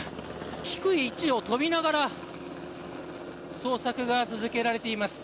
低い位置を取りながら捜索が続けられています。